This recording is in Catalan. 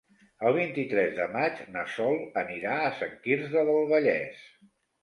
El vint-i-tres de maig na Sol anirà a Sant Quirze del Vallès.